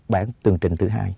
bạn tường trình thứ hai